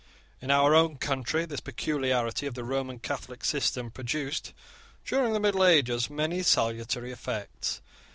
In our own country this peculiarity of the Roman Catholic system produced, during the middle ages, many salutary effects.